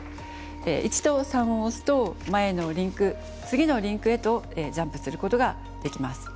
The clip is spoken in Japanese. １と３を押すと前のリンク次のリンクへとジャンプすることができます。